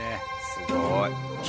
すごい。